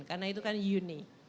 karena itu kan uni